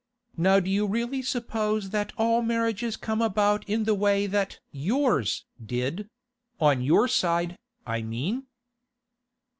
Now do you really suppose that all marriages come about in the way that yours did—on your side, I mean?